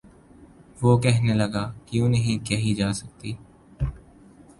وہ کہنے لگا:کیوں نہیں کہی جا سکتی؟